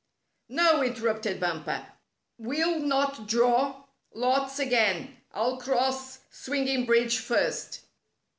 '' "No," interrupted Bumper, "we'll not draw lots again. I'll cross Swinging Bridge first."